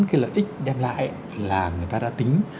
cái lợi ích đem lại là người ta đã tính